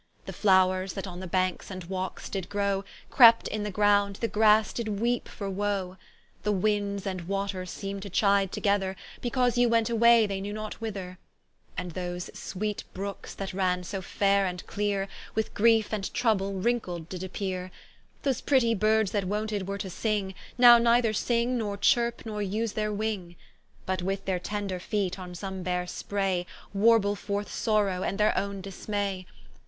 The Floures that o[n] the banks and walkes did grow, Crept in the ground, the Grasse did weepe for woe. The Windes and Waters seem'd to chide together, Because you went away they knew not whither: And those sweet Brookes that ranne so faire and cleare, With griefe and trouble wrinckled did appeare. Those pretty Birds that wonted were to sing, Now neither sing, nor chirp, nor vse their wing; But with their tender feet on some bare spray, Warble forth sorrow, and their owne dismay.